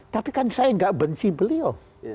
tapi kan saya nggak benci beliau